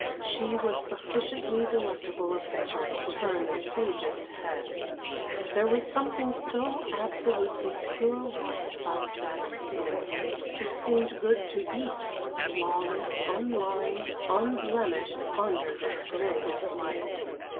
She was sufficiently delectable a picture to turn the sagest head. There was something so absolutely pure white about that skin, it seemed good to eat, flawless, unlined, unblemished, under this brilliant light.